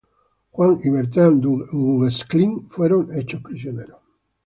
Juan y Bertrand du Guesclin fueron hechos prisioneros.